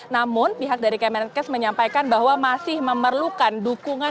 namun pihak dari kemenkes menyampaikan bahwa masih memerlukan dukungan